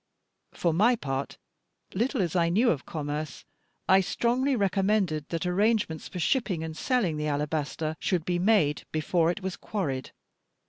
For my part, little as I knew of commerce, I strongly recommended that arrangements for shipping and selling the alabaster should be made, before it was quarried.